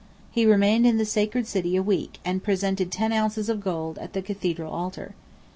He remained in the sacred city a week, and presented ten ounces of gold, at the Cathedral altar.